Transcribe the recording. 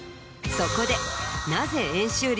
そこで。